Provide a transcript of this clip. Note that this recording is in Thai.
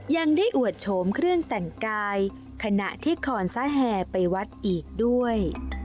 ยังได้อวดโฉมเครื่องแต่งกายขณะที่คอนซะแห่ไปวัดอีกด้วย